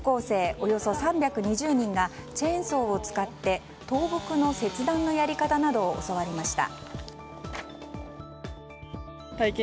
およそ３２０人がチェーンソーを使って倒木の切断のやり方などを教わりました。